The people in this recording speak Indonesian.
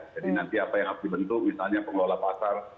jadi nanti apa yang harus dibentuk misalnya pengelola pasar